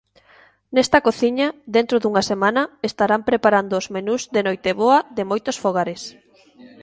Nesta cociña, dentro dunha semana, estarán preparando os menús de Noiteboa de moitos fogares.